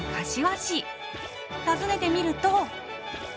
訪ねてみると。